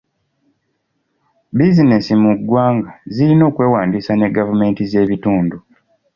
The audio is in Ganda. Bizinensi mu ggwanga zirina okwewandiisa ne gavumenti z'ebitundu.